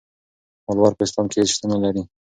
ولور په اسلام کې هيڅ شتون نلري.